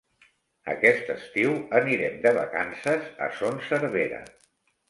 Aquest estiu anirem de vacances a Son Servera.